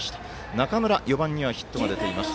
中村、４番にはヒットが出ています。